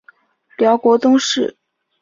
辽国宗室。